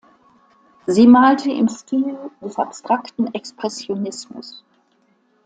Sie malte im Stil des Abstrakten Expressionismus.